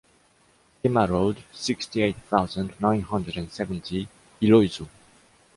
Guémar road, sixty-eight thousand, nine hundred and seventy, Illhaeusern